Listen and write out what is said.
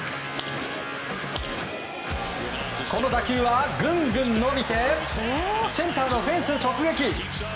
この打球はぐんぐん伸びてセンターのフェンス直撃。